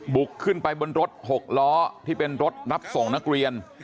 ขึ้นไปบนรถ๖ล้อที่เป็นรถรับส่งนักเรียน